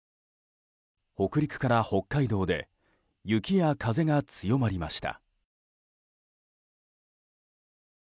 北陸から北海道で雪や風が強まりました。